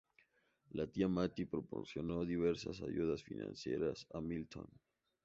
La tía Mattie proporcionó diversas ayudas financieras a Milton.